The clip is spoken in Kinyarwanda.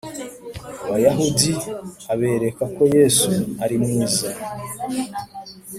Abayahudi abereka ko Yesu ari mwiza